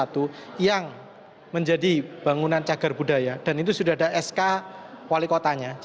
jadi sudah sk wali kota yang menyatakan gedungnya adalah pemerintah menjadi bangunan cagar budaya dan itu sudah ada sk wali kotanya